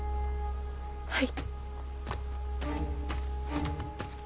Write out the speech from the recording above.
はい。